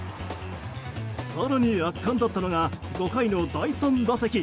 更に圧巻だったのが５回の第３打席。